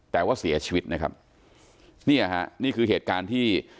แต่ว่าเสียชีวิตนะครับเนี่ยฮะนี่คือเหตุการณ์ที่